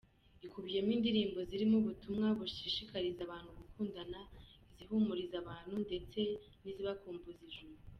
Ikubiyemo indirimbo zirimo ubutumwa bushishikariza abantu gukundana, izihumuriza abantu ndetse n’izibakumbuza ijuru.